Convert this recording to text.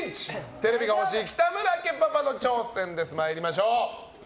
テレビが欲しい北村家パパの挑戦です。